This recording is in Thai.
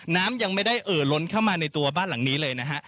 น้ำยังไม่ได้เอ่อล้นเข้ามาในตัวบ้านหลังนี้เลยนะฮะ